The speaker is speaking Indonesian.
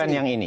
bukan yang ini